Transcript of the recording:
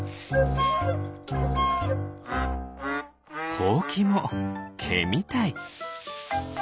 ほうきもけみたい。